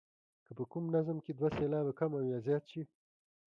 که په کوم نظم کې دوه سېلابه کم او یا زیات شي.